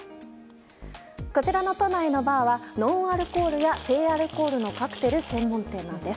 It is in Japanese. こちらの都内のバーはノンアルコールや低アルコールのカクテル専門店なんです。